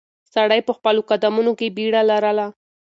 سړی په خپلو قدمونو کې بیړه لرله.